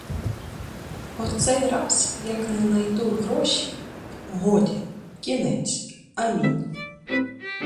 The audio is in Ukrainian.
Оцей раз як не найду гроші — годі, кінець, амінь.